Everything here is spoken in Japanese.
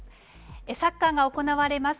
サッカーが行われます